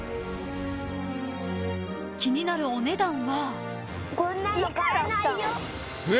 ［気になるお値段は］